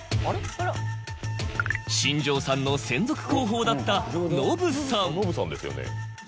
新庄さんの専属広報だったのぶさん。